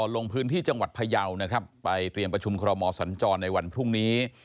ลงพื้นที่จังหวัดพยาวนะครับไปเตรียมประชุมคอรมอสัญจรในวันพรุ่งนี้